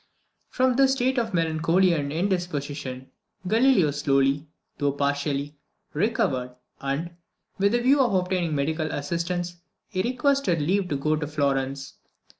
From this state of melancholy and indisposition, Galileo slowly, though partially, recovered, and, with the view of obtaining medical assistance, he requested leave to go to Florence.